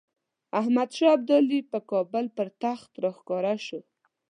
احمدشاه ابدالي په کابل پر تخت راښکاره شو.